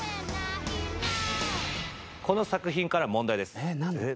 この作品から問題です。